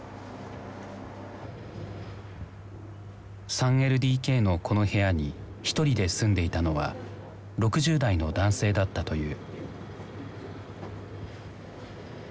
３ＬＤＫのこの部屋にひとりで住んでいたのは６０代の男性だったという。